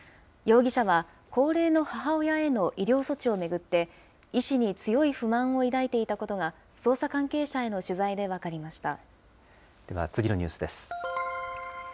容疑者は、高齢の母親への医療措置を巡って、医師に強い不満を抱いていたことが、捜査関係者への取材で分かりでは次のニュースです。